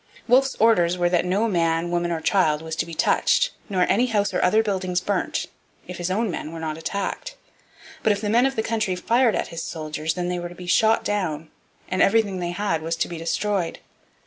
Wolfe's orders were that no man, woman, or child was to be touched, nor any house or other buildings burnt, if his own men were not attacked. But if the men of the country fired at his soldiers they were to be shot down, and everything they had was to be destroyed.